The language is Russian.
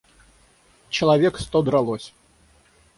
Человек сто дралось